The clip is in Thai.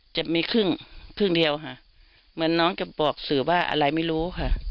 จะมีครึ่งครึ่งเดียวค่ะเหมือนน้องจะบอกสื่อว่าอะไรไม่รู้ค่ะ